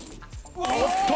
おっと！